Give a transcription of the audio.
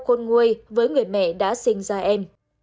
côn nguôi với người mẹ đã sinh ra em